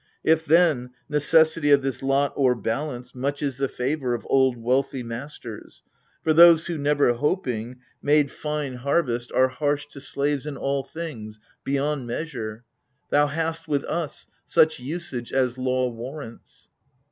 If, then, necessity of this lot o'erbslance, Much is the favour of old wealthy masters : For those who, never hoping, made fine harvest G 2 AGAMEMNON. Are harsh to slaves in all things, beyond measure. Thou hast — with us — such usage as law warrants.